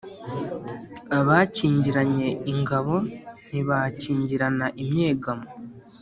Abakingiranye ingabo ntibakingirana inyegamo.